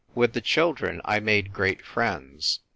With the children I made great friends.